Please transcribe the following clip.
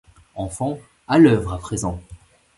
Enfants, à l’œuvre à présent!